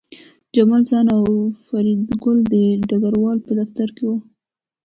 جمال خان او فریدګل د ډګروال په دفتر کې وو